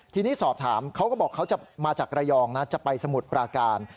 ทีนี้สอบถามเขาก็บอกเขาจะมาจากระยองนะจะไปสมุทรปราการ